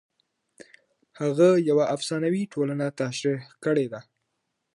هغه یوه افسانوي ټولنه تشریح کړې ده.